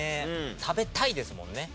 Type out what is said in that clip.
「食べたい」ですもんね。